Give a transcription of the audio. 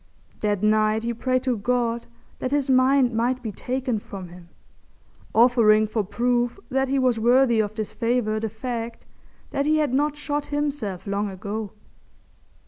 That night he prayed to God that his mind might be taken from him, offering for proof that he was worthy of this favour the fact that he had not shot himself long ago.